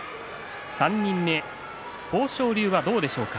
３人目、豊昇龍はどうでしょうか。